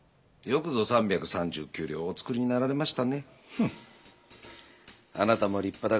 よくぞ３３９両お作りになられましたね。